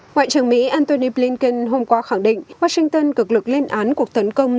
ngoại trưởng mỹ antony blinken hôm qua khẳng định washington cực lực lên án cuộc tấn công